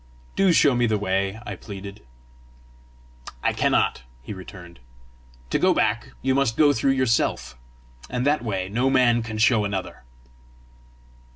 "Do show me the way," I pleaded. "I cannot," he returned. "To go back, you must go through yourself, and that way no man can show another."